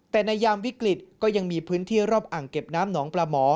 แต่ในยามวิกฤตก็ยังมีพื้นที่รอบอ่างเก็บน้ำหนองปลาหมอ